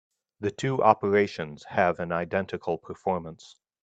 The two operations have an identical performance.